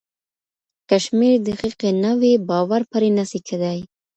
که شمېرې دقيقې نه وي باور پرې نسي کيدای.